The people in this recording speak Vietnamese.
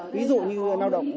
ví dụ như lao động